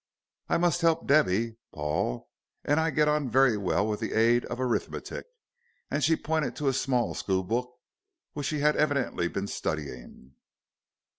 "I must help Debby, Paul, and I get on very well with the aid of an arithmetic." And she pointed to a small school book which she had evidently been studying.